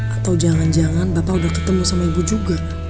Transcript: atau jangan jangan bapak udah ketemu sama ibu juga